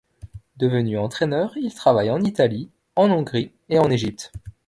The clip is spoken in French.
Devenu entraîneur, il travaille en Italie, en Hongrie et en Égypte.